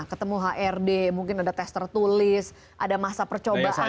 ketemu hrd mungkin ada tester tulis ada masa percobaan